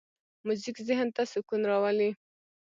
موزیک ذهن ته سکون راولي.